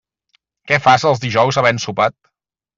Què fas els dijous havent sopat?